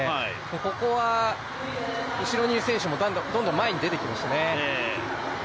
ここは後ろにいる選手もどんどん前に出てきましたね。